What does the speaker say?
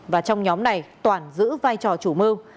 và trong nhóm này toản giữ vai trò chủ mưu